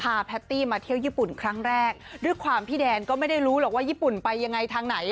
แพตตี้มาเที่ยวญี่ปุ่นครั้งแรกด้วยความพี่แดนก็ไม่ได้รู้หรอกว่าญี่ปุ่นไปยังไงทางไหน